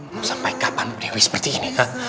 mau sampai kapan dewi seperti ini